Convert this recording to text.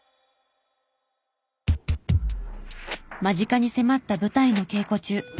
間近に迫った舞台の稽古中